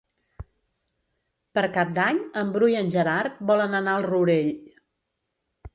Per Cap d'Any en Bru i en Gerard volen anar al Rourell.